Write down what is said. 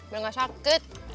biar gak sakit